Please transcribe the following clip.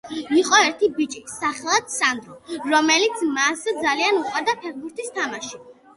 იყო ერთი ბიჭი სახელად სანდრო რომელიც მას ძალიან უყვარდა ფეხბურთის თამაში